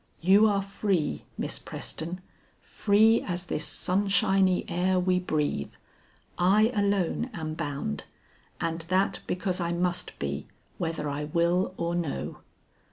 You are free, Miss Preston, free as this sunshiny air we breathe; I alone am bound, and that because I must be whether I will or no."